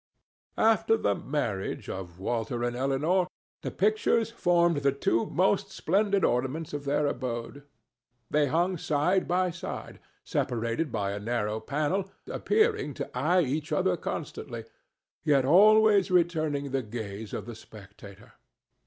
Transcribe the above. After the marriage of Walter and Elinor the pictures formed the two most splendid ornaments of their abode. They hung side by side, separated by a narrow panel, appearing to eye each other constantly, yet always returning the gaze of the spectator.